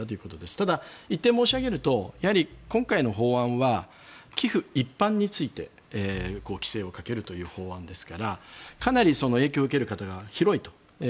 ただ、１点申し上げると今回の法案は、寄付一般について規制をかけるという法案ですからかなり影響を受ける方が広いと。